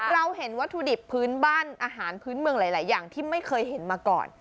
เราเห็นวัตถุดิบพื้นบ้านอาหารพื้นเมืองหลายอย่างที่ไม่เคยเห็นมาก่อน